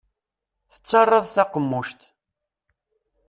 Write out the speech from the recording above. Tettarraḍ taqemmuct.